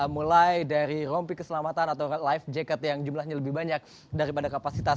mulai dari rompi keselamatan atau life jacket yang jumlahnya lebih banyak daripada kapasitas